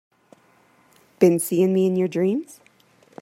Been seeing me in your dreams?